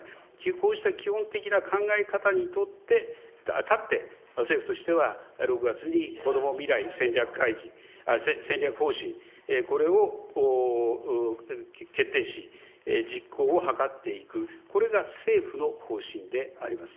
こうした基本的な考え方にとって、立って、政府としては、６月にこども未来戦略会議、戦略方針、これを決定し、実行を図っていく、これが政府の方針であります。